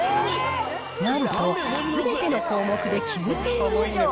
なんとすべての項目で９点以上。